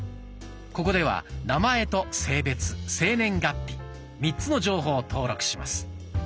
ここでは名前と性別生年月日３つの情報を登録します。